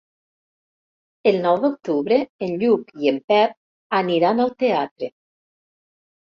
El nou d'octubre en Lluc i en Pep aniran al teatre.